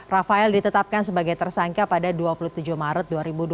rafael ditetapkan sebagai tersangka pada dua puluh tujuh maret dua ribu dua puluh